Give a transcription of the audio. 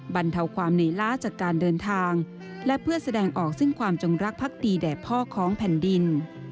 บรรเทาความในล้าจากการเดินทางและเพื่อแสดงออกซึ่งความจงรักภักดีแด่พ่อของแผ่นดิน